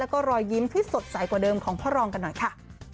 แล้วก็รอยยิ้มที่สดใสกว่าเดิมของพ่อรองกันหน่อยค่ะ